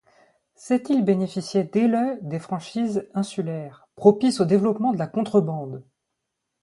Cette île bénéficiait dès le des franchises insulaires, propices au développement de la contrebande.